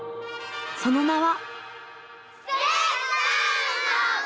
その名は。